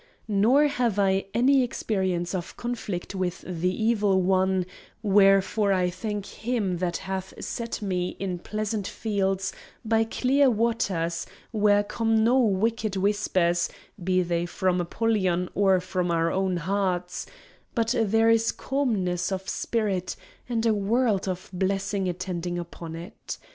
Nor have I any experience of conflict with the Evil One; wherefore I thank Him that hath set me in pleasant fields, by clear waters, where come no wicked whispers (be they from Apollyon or from our own hearts); but there is calmness of spirit, and a world of blessings attending upon it.